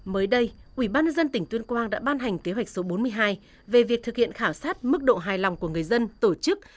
mới đây ubnd tỉnh tuyên quang đã ban hành kế hoạch số bốn mươi hai về việc thực hiện khảo sát mức độ hài lòng của người dân tổ chức